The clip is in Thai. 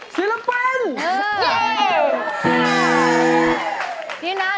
สุดท้าย